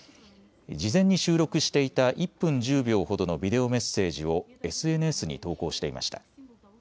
事前に収録していた１分１０秒ほどのビデオメッセージをＳＮＳに投稿していました。